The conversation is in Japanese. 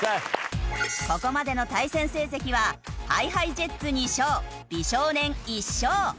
ここまでの対戦成績はＨｉＨｉＪｅｔｓ２勝美少年１勝。